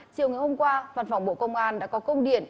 chiều ngày hôm qua văn phòng bộ công an đã có công điện